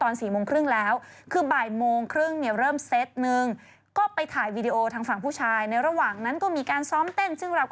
นั่นค่ะคือคำถามที่จะแบบในใจต้องหรือว่า